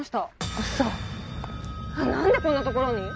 ウソ何でこんなところに？